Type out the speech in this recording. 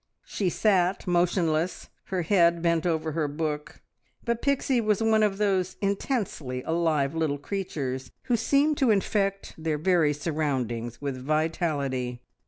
She sat motionless, her head bent over her book, but Pixie was one of those intensely alive little creatures who seem to infect their very surroundings with vitality.